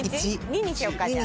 ２にしようかじゃあ。